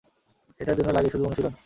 এটার জন্য লাগে শুধু অনুশীলন।